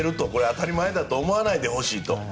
当たり前だと思わないでほしいと。